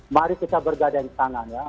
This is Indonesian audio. mari kita bergadang tangan ya